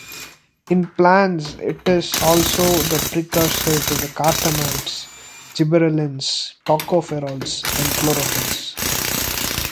In plants it is also the precursor to carotenoids, gibberellins, tocopherols, and chlorophylls.